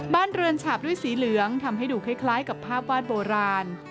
เรือนฉาบด้วยสีเหลืองทำให้ดูคล้ายกับภาพวาดโบราณ